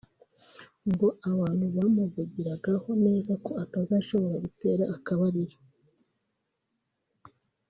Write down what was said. ngo abantu bamuvugiragaho neza ko atazashobora gutera akabariro